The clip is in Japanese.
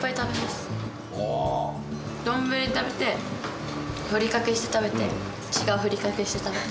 丼食べてふりかけして食べて違うふりかけして食べて。